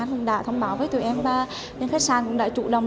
công an cũng đã thông báo với tụi em và những khách sạn cũng đã chủ đồng